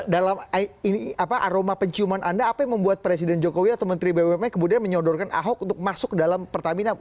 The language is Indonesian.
dalam aroma penciuman anda apa yang membuat presiden jokowi atau menteri bumn kemudian menyodorkan ahok untuk masuk ke dalam pertamina